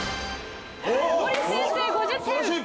森先生５０点！